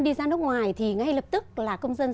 đi ra nước ngoài thì ngay lập tức là công dân